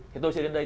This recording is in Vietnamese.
thì tôi sẽ đến đây